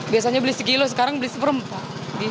biasanya beli sekilo sekarang beli seperempat